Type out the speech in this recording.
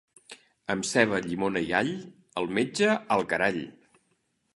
Amb ceba, llimona i all, el metge al carall.